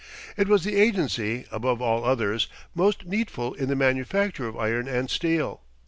It was the agency, above all others, most needful in the manufacture of iron and steel.